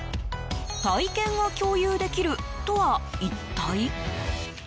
体験が共有できるとは一体？